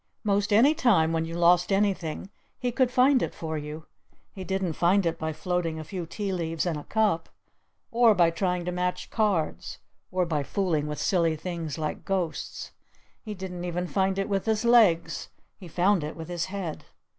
Most any time when you lost anything he could find it for you. He didn't find it by floating a few tea leaves in a cup. Or by trying to match cards. Or by fooling with silly things like ghosts. He didn't even find it with his legs. He found it with his head.